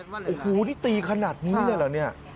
โอ้โหนี่ตีขนาดนี้เลยเหรอ